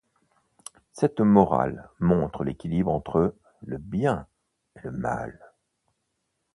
Cette morale montre l'équilibre entre le bien et le mal.